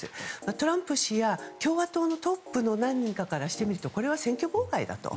トランプ氏や、共和党のトップの何人かからしてみるとこれは選挙妨害だと。